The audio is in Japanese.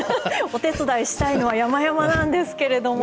お手伝いしたいのはやまやまなんですけれども。